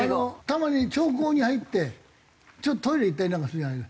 たまに長考に入ってちょっとトイレ行ったりなんかするじゃない。